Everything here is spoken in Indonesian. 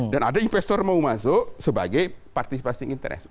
dan ada investor mau masuk sebagai participating interest